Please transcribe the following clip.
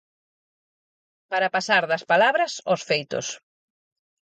Para pasar das palabras aos feitos.